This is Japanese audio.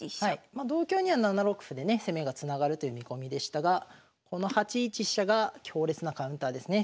ま同香には７六歩でね攻めがつながるという見込みでしたがこの８一飛車が強烈なカウンターですね。